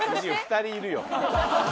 ２人いるよ。